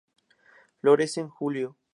Florece en julio.